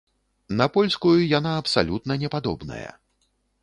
На польскую яна абсалютна не падобная.